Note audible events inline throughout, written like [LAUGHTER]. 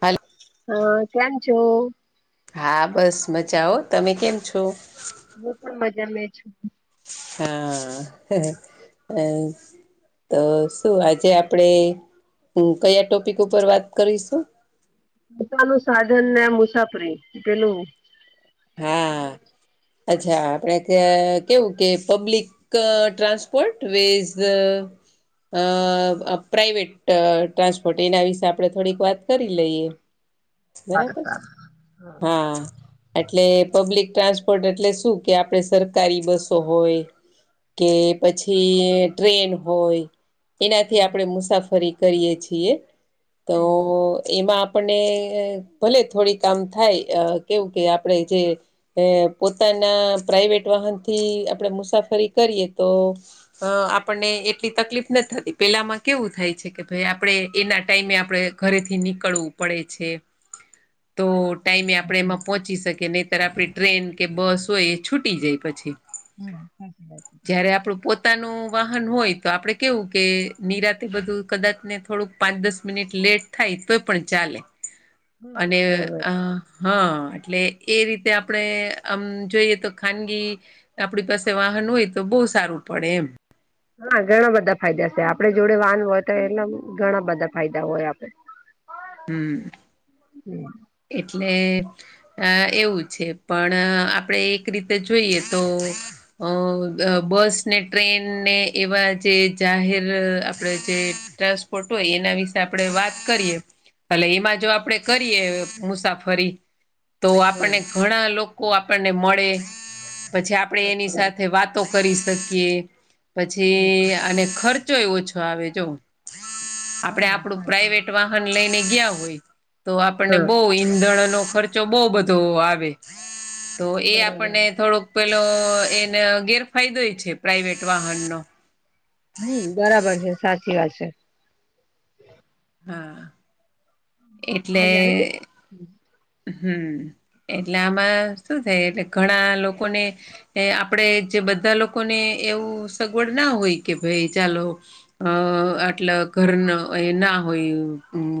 હાલો હ હા કેમ છો? હા બસ મજાઓ, તમે કેમ છો? હું પણ મજામે છું. હાઆ અ તો શું આજે આપણે કયા ટોપિક ઉપર વાત કરીશું? પોતાનું સાધન ને મુસાફરી પેલું. હા અચ્છા આપડે કે કેવું કે પબ્લિક ક ટ્રાન્સપોટ [UNINTELLIGIBLE] અ પ્રાઇવેટ ટ્રાન્સપોર્ટ એના વિશે આપણે થોડીક વાત કરી લઈએ. બરાબર [INAUDIBLE] હા એટલે પબ્લિક ટ્રાન્સપોર્ટ એટલે શું કે આપડે સરકારી બસો હોય. કે પછી ટ્રેન હોય એનાથી આપણેે મુસાફરી કરીએ છીએ, તો એમાં આપણને ભલે થોડી કામ થાય અ કેવું કે આપણેે જે અ પોતાના પ્રાઈવેટ વાહનથી મુસાફરી કરીએ તો, અ આપણને એટલી તકલીફ ના થતી પેલામાં કેવું થાય છે કે ભાઈ આપણે એના ટાઈમે આપણે ઘરેથી નીકળવું પડે છે. [INAUDIBLE] તો ટાઈમે આપણે એમાં પહોંચી શકીએ નહીતર આપણી ટ્રેન કે બસ હોય એ છૂટી જાય પછી. જયારે આપડું પો પોતાનું વાહન હોય તો આપણે કેવું કે નિરાતે બધું કદાચ ને થોડુંક પાંચ દસ મિનિટ લેટ થાય તો પણ ચાલે. [INAUDIBLE] અને અ હા એટલે એ રીતે આપણે આમ જોઈએ તો ખાનગી આપડી પાસે વાહન હોય તો બહુ સારું પડે એમ. હા ઘણા બધા ફાયદા છે આપડે જોડે વાન હોય તો એલા ઘણા બધા ફાયદા હોય આપડે હ [INAUDIBLE] હમ. હમ. એટલે અ એવું છે પણ આપણેે એક રીતે જોઈએ તો અ બ બસ ને ટ્રેન ને એવા જે જાહેર આપડે જે ટ્રાસપ ખોટોય એના વિશે આપડે વાત કરીએ અલે એના એમાં જો આપડે કરીએ મુસાફરી તો આપણને હા ઘણા લોકો આપણને મળે. પછી આપડણે એની સાથે વાતો કરી શકીએ પછી અને ખર્ચ. ખરચો ઓછો આવે જો આપડે હા આપડું સાચી વાત. પ્રાઈવેટ વાહન લઈને ગયા હોય. તો આપણને હા. બહુ ઈંધણનો ખર્ચો બહુ બધો આવે. તો એ બરાબર. આપણને થોડોક પેલો એને ગેરફાયદોય છે પ્રાઈવેટ વાહનનો હમ બરાબર છે સાચી વાત છે. હા એટલે? અવાજ આવે છે? હમ એટલે આમાં શું થાય એટલે ઘણા લોકોને. એ આપડે જે બધા લોકોને એવું સગવડ ના હોય કે ભાઈ ચાલો. અ આટલે ઘર ના હોય ના હોય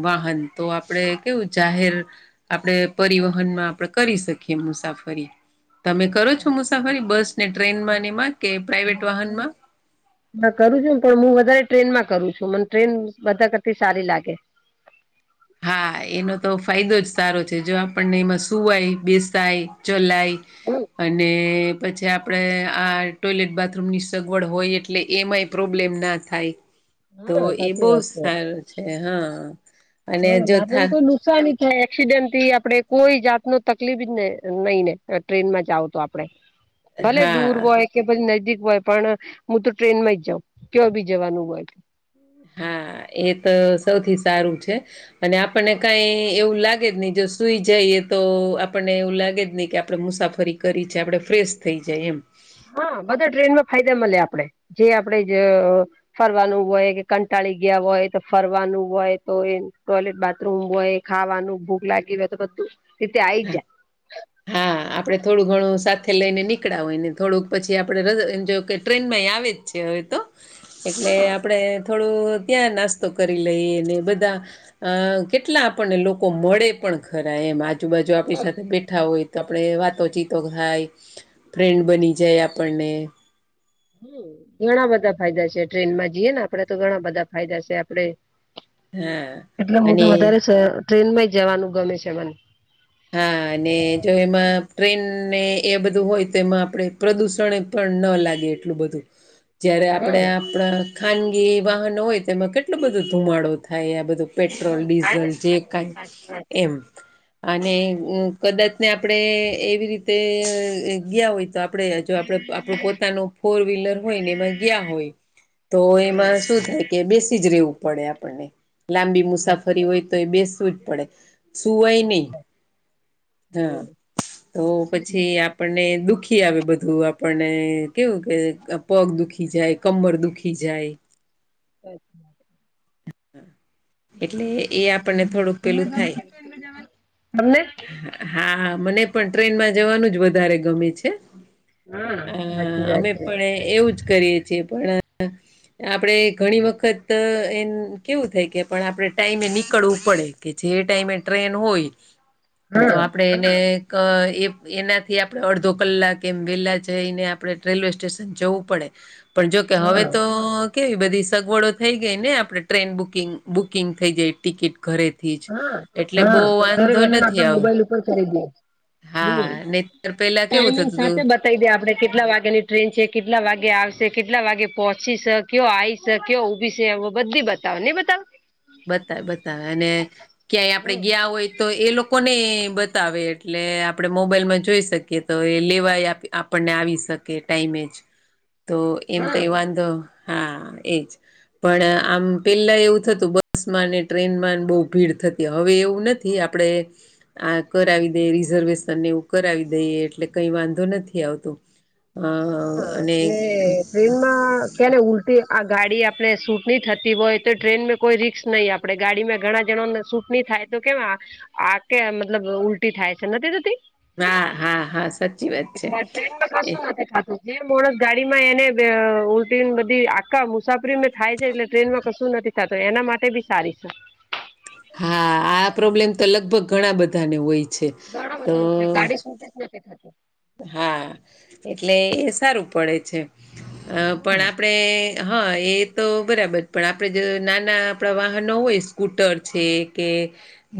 વાહન તો. આપણે કેવું જાહેર આપણે પરિવહનમાં આપણે કરી શકીએ મુસાફરી. તમે કરો છો મુસાફરી બસ ને ટ્રેનમાં એમાં કે પ્રાઈવેટ વાહનમાં. ના કરું છું ને પણ હું વધારે ટ્રેન માં કરું છું મને ટ્રેન બધા કરતી સારી લાગે. હા [INAUDIBLE] એનો તો ફાયદો જ સારો છે જો આપણને એમાં સુવાય બેસાયે ચલાય. હમ. અને પછી આપણે આ ટોયલેટ બાથરૂમની સગવડ હોય એટલે એમાંય. પ્રોબ્લેમ ના થાય તો હા એ સાચી બહુ વાત સારું છે. હા અને જો થા [INAUDIBLE] નુકસાની થાય એક્સિડેન્ટ થી આપડે કોઈ જાત નુ તકલીફ જ ને નઈ ને ટ્રેનમાં જાઓ તો આપડે. ભલે હા દૂર હોય. કે પછી નજજીક હોય પણ હું તો ટ્રેન માં જાઉં કેવાય બી જવાનું હોય. હા એ તો સૌથી સારું છે અને આપણને કઈ એવું લાગે જ નહી જો. સુઈ જઈએ તો આપણને એવું લાગે જ નહી કે આપણેે મુસાફરી કરી છે આપણે ફ્રેશ થઈ જાય એમ. હા બધા ટ્રેનમાં ફાયદા મલે આપડે જે આપડે જ. ફરવાનું હોય કે કંટાળી ગયા હોય તો ફરવાનું હોય તો એ ટોયલેટ બાથરૂમ હોય. ખાવાનું ભૂખ લાગી હોય તો બધું રીતે આઈ જાય. આપણે થોડું ઘણું સાથે લઈને નીકળાવ હોય ને થોડુંક પછી આપણે ર એમ જો કે ટ્રેનમાં આવે જ છે હવે તો. એટલે આપણે થોડું ત્યાં નાસ્તો કરી લઈએ ને બધા. અ કેટલા આપણને લોકો મળે પણ ખરા એમ આજુબાજુ આપણી સાથે બેઠ. હોય તો આપણે વાતોચીતો થાય ફ્રેન્ડ બની જાય આપણને. ઘણા બધા ફાયદા છે ટ્રેન માં જીએ આપડે તો ઘણા બધા છે આપડણે. હા એટલે હું અને તો વધારે સ ટ્રેન માં જવાનું ગમે છે મને. હા અને જો એમાં ટ્રેનને એ બધું હોય તો એમાં આપણે પ્રદુષણ. પણ ન લાગે એટલું બધું. [INAUDIBLE] જયારે આપણે આપણા ખાનગી વાહનો હોય તેમાં કેટલોું બધો ધુમાડો થાય આ બધું. પેટ્રોલ ડીઝલ જે કઈ એમ. અને કદાચ ત્યાં આપણે એવી રીતે ગયા હોય. તો આપડે જો આપડે આપણું પોતાનો ફોર વ્હીલર હોય ને એમાં ગયા હોય. એમાં શું થાય બેસી જ રહેવું પડે આપણને. લાંબી મુસાફરી હોય તો એ બેસવું જ પડે સુુંવાય નહી. હા તો પછી. આપણને દુઃખી આવે બધું આપણને કેવું કે પગ દુખી જાય કમર દુખી જાય. અચ્છા [INAUDIBLE] હ [INAUDIBLE] એટલે એ આપણને થોડુંક પેલું થાય. તમને હા મને પણ ટ્રેનમાં જવાનું જ વધારે ગમે છે. હા અ અમે પણ એવું જ કરીએ છીએ પણ આપણેે ઘણી વખત એન કેવું થાય કે પણ આપડણે ટાઈમે નીકળવું પડે કે જે ટાઈમે ટ્રેન હોય તો આપડે એને અ એ એનાથી આપણે અડધો કલાક એમ વેલા જઈને આપણે રેલ્વે સ્ટેશન જવું પડે પણ જોકે હવે તો કેવી બધી સગવડો થઈ ગઈ ને આપણે ટ્રેન બુકિંગ બુકિંગ થઈ જાય ટિકિટ ઘરેથી જ એટલે બહ વાંધો નથી આવ્યો. હા નનેત પેલા કેવું થતું હતું. કહી દે આપણે કેટલા વાગ્યાની ટ્રેન છે કેટલા વાગે આવશે કેટલા વાગે પહોંચી શક કયો આય છે કયો ઉઊભી છે એ બધી બતાવો ને બતાવ બતાવે બતાવે અને ક્યાંય હા આપણે ગયા હોય તો એ લોકોને બતાવે એટલે આપડે મોબાઈલ માં જોઈ શકીએ તો એ લેવાય આપ આપણને આવી શકે ટાઈમે જ [INAUDIBLE] તો એમ કઈ વાંધો હા એજ પણ આમ પેલા એવું થતું બસ માં અને ટ્રેન માં બહુ ભીડ થતી હવે એવું નથી આપડણે આ કરાવી દે રિઝર્વેશન ને એવું કરાવી દઈએ એટલે કઈ વાંધો નથી આવતો. અ અને હા ને ટ્રેનમાં કે ને ઉલટી આ ગાડી આપડે સૂટ નહી થતી હોય તો ટ્રેનમાં કોઈ રિક્સ નહી આપે આપડે ગાડીમાં ઘણા જણ ને સૂટ નની થાય તો કેવા આ કે મતલબ ઉલટી થાય છે નથી થતી. હા હા હા સચ એટલે ટ્રેનમાં કસું નથી થાતું બે માણસ ગાડી માં એને ઉલટી ને બધી આકા મુસાફરી મેં થાય છે એટલે ટ્રેન માં કશું નથી તો એના માટે બી સારી છે. હા આ પ્રોબ્લેમ તો લગભગ ઘણા બધાને હોય છે તો પોતે થકે. હા એટલે એ સારું પડે છે અ પણ આપણેે હા એ તો બરાબર પણ આપણેે જો નાના આપણા વાહનો હોય સ્કૂટર છે કે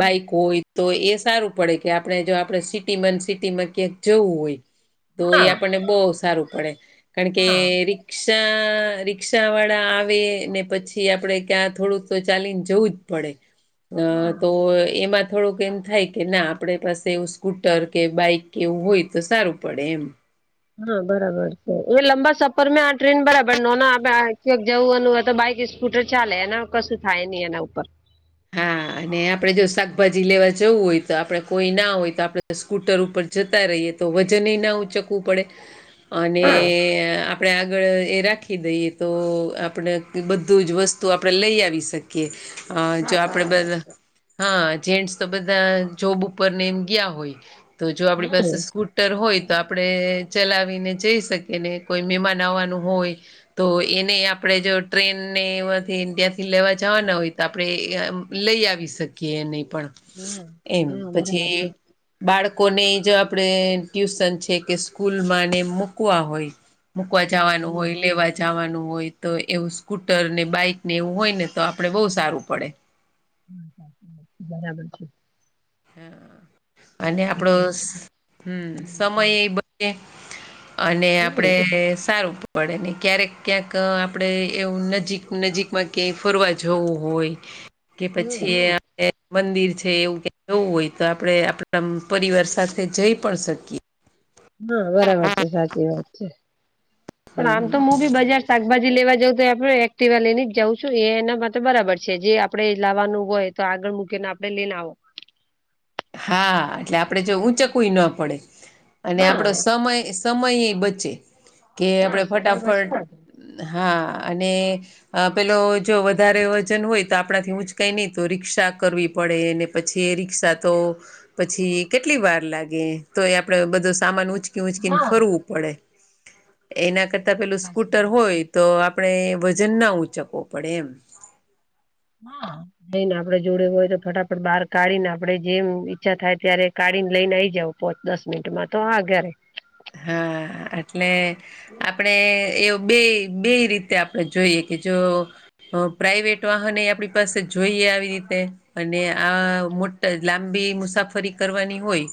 બાઈક હોય તો એ સારું પડે કે આપણે જો આપણે સિટીમાં સિટીમાં ક્યાં જવું હોય તો એ આપણને બહ સારું પડે કારણ કે રિક જ્યાં રીક્ષા વાળા આવે ને પછી આપણે ક્યાં થોડુંક તો ચાલીને જવું જ પડે. હ. [INAUDIBLE] ત તો એમાં થોડુંક એવુ થાય કે ના આપડે પાસે એવું સ્કૂટર કે બાઈક કે એવું હોય તો સારું પડે એમ. હા, બરાબર છે એ લંબા સફરમે આ ટ્રેન બરાબર નો ન [UNINTELLIGIBLE] કક જવુંનું હોય તો બાઈકે જ સ્કૂટર ચાલે એના કશું થાય નહી એના ઉપર. [INAUDIBLE] હા અને આપણે જો શાકભાજી લેવા જવું હોય તો આપણે કોઈ ના હોય તો આપણે સ્કૂટર ઉપર જતા રહીએ તો વજનને ના ઊંચકવું પડે. [INAUDIBLE] અને આપડે આ આગળ એ રાખી દઈએ તો આપણે [UNINTELLIGIBLE] બધું જ વસ્તુ આપડે લઈ આવી શકીએ. હ. જો આપડે બધા, હા, જેન્ટ્સ તો બધા જોબ ઉપર ને એમ ગીયા હોય તો જો આપણી પાસે સ્કૂટ ટર હોય તો આપડે ચલાવીને જઈ શકીએ ને કોઈ મહેમાન આવવાનું હોય તો એને આપડે જો ટ્રેન ને એમાંથી ઇન્ડિયાથી લેવા જાવાના હોય તો આપડે એ આમ લઈ આવી શકીએ એને પણ એમ પછી બાળકોને જ આપડે ટ્યુશન છે કે સ્કૂલમાંને મૂકવા હોય મૂકવા જવાનું હોય લેવા જાવાનું હોય તો એવું સ્કૂટર ને બાઈક ને એવું હોય ને તો આપડે બહુ સારું પડે. [INAUDIBLE] બરાબર છે. હ અને આપડો હમ સમય એ બચે. અને હમ આપણે સારુ પડે ને ક્યારેક ક્યાંક આપડે એવું નજીક નજીકમાં ક્યાંય ફરવા જવું હોય કે પછી હમ આપડે મંદિર છે એવું ક જવું હોય તો આપડે આપણા એમ પરિવાર સાથે જઈ પણ શકીએ. હા, બરાબર છે, સાચી વાત છે, પણ આમ હમ તો [UNINTELLIGIBLE] બી બજાર શાકભાજી લેવા જઉં તો આપણે એક્ટિવા લઈને જ જાઉં છું, એ એના માટે બરાબર છે. જે આપણે લાવવાનું હોય તો આગળ મૂકીને આપડે [UNINTELLIGIBLE] ને આવો. હા, એટલે આપડે જો ઊંચકવુંય ન પડે અને આપડો સમય સમય એ બચે કે આપડે ફટાફટ હા અને અ પેલો જો વધારે વજન હોય તો આપણાથી ઊંચકાઈ ની તો રિક્ષા કરવી પડે એને પછી એ રીક્ષા તો પછી કેટલી વાર લાગે તો એ આપણે બધો સામાન ઊંચકી ઊંચકીને ફરવું પડે. એના કરતાં પેલું સ્કૂટર હોય તો આપડે વજન ના ઊંચકવો પડે એમ. હા. નઈને આપડે જોડે હોય તો ફટાફટ બાર કાઢી ને આપડે જેમ ઈચ્છા થાય ત્યારે કાઢીને લઈને આઈ જાવ. પોચ દસ મિનિટમાં તો. [UNINTELLIGIBLE] હા, એટલે આપડે એવ બેઈ બેઈ રીતે આપડે જોઈએ કે જો અ પ્રાઈવેટ વાહન એ આપણી પાસે જોઈએ આવી રીતે અને આ મોટ લાંબી મુસાફરી કરવાની હોય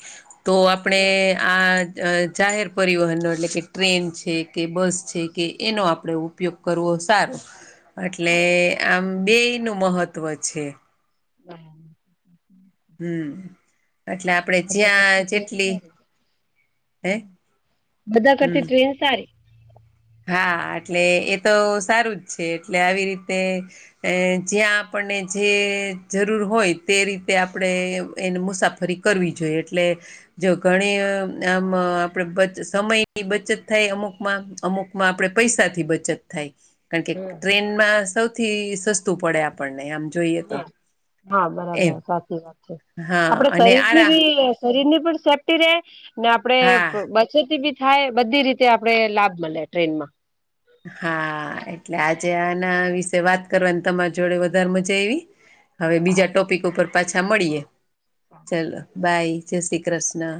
તો આપણે આ [UNINTELLIGIBLE] જાહેર પરિવહનનો એટલે કે ટ્રેન છે કે બસ છે કે એનો આપડે ઉપયોગ કરવો સારો. [INAUDIBLE] એટલે આમ બેય નું મહત્ત્વ છે. હમ, હમ, એટલે આપણે બધા કરતી જ્યાં ટ્રેન જેટલી સારી, હે બધા હમ કરતા ટ્રેન સારી. હા, એટલે એ તો સારું જ છે એટલે આવી રીતે અ જ્યાં આપણને જે જરૂર હોય તે રીતે આપણે એને મુસાફરી ફરી કરવી જોઈએ એટલે જો ઘણી આમ આપડે સમયની બચત થાય. અમુકમાં અમુક માં આપણે પૈસાથી બચત થાય. કારણ કે ટ્રેન સૌથી સસ્તું પડે આપણને એમ, જોઈએ તો હા, બરાબર સાચી વાત છે. હા આપડે અને શરીરની આરા બી શરીરની પણ સેફ્ટી રહેે ને આપડે હા બચત બી થાય બધી રીતે આપડે લાભ મળે ટ્રેનમાં. હા, એટલે આજે આના વિશે વાત કરવાની તમારી જોડે વધારે મજા આયવી. હવે બીજા ટોપિક ઉપર પાછા મળીએ. ચલો બાય. જય શ્રી કૃષ્ણ.